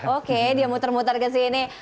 oke dia muter muter ke sini